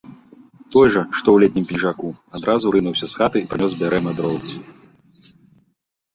Той жа, што ў летнім пінжаку, адразу рынуўся з хаты і прынёс бярэмя дроў.